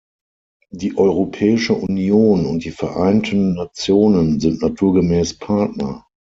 Die Europäische Union und die Vereinten Nationen sind naturgemäß Partner.